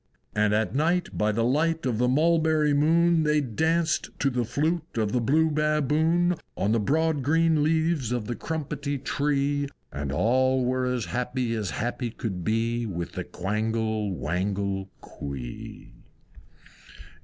And at night by the light of the Mulberry moon They danced to the Flute of the Blue Baboon, On the broad green leaves of the Crumpetty Tree, And all were as happy as happy could be, With the Quangle Wangle Quee.